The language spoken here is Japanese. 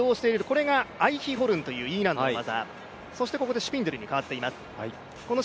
これがアイヒホルンという技。